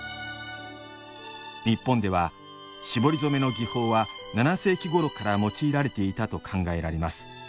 日本では絞り染めの技法は７世紀ごろから用いられていたと考えられます。